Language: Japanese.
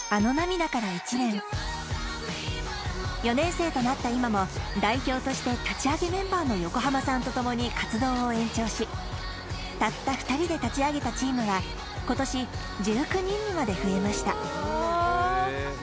４年生となった今も代表として立ち上げメンバーの横濱さんと共に活動を延長したった２人で立ち上げたチームが今年１９人にまで増えました